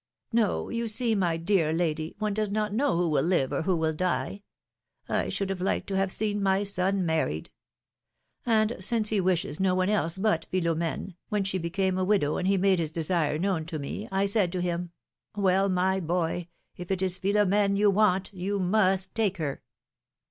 Yo ; you see, my dear lady, one does not know who will live, or who will die ! I should have liked to have seen my son married. And since he wishes no one else but Philom^ne, when she became a widow, and he made his desire known to me, I said to him: ^ Well, my boy! if it is Philom^ne you want, you must take her